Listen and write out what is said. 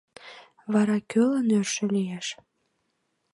Вара кӧлан йӧршӧ лиеш?